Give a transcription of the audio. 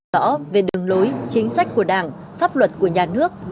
rõ về đường lối chính sách của đảng pháp luật của nhà nước